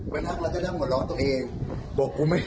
ไปนั่งแล้วก็นั่งหัวเราะตัวเอง